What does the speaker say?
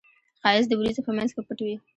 ښایست د وریځو په منځ کې پټ وي